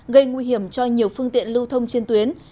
gây nguy hiểm cho nhiều phương tiện lưu thông trên tuyến